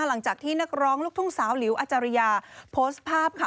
หลังจากที่นักร้องลูกทุ่งสาวหลิวอาจารยาโพสต์ภาพค่ะ